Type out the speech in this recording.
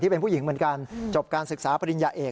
เป็นผู้หญิงเหมือนกันจบการศึกษาปริญญาเอก